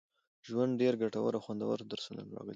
ژوند، ډېر ګټور او خوندور درسونه راغلي